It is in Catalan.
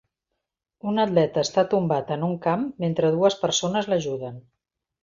Un atleta està tombat en un camp mentre dues persones l'ajuden.